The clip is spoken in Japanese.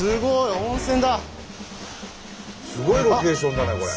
すごいロケーションだねこれ。